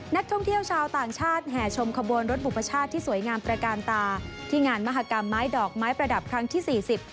นักท่องเที่ยวชาวต่างชาติแห่ชมขบวนรถบุพชาติที่สวยงามประการตาที่งานมหากรรมไม้ดอกไม้ประดับครั้งที่สี่สิบ